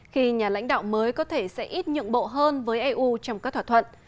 khi nhà lãnh đạo mới có thể sẽ ít nhượng bộ hơn với eu trong các thỏa thuận